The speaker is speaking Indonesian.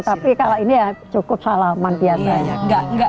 tapi kalau ini ya cukup salaman biasanya